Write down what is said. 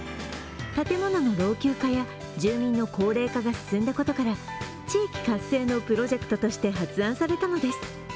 建物の老朽化や住民の高齢化が進んだことから、地域活性のプロジェクトとして発案されたのです。